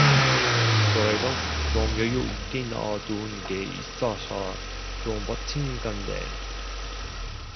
그래도 좀 여유 있게 넣어 둔 게 있어서 좀 버틴 건데